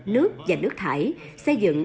nước và nước thải xây dựng